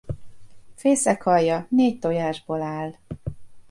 Fészekalja négy tojásból áll.